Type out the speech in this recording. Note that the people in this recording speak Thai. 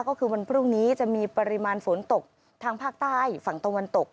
ก็คือวันพรุ่งนี้จะมีปริมาณฝนตกทางภาคใต้ฝั่งตะวันตก